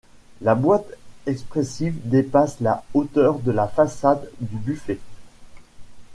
La boîte expressive dépasse la hauteur de la façade du buffet.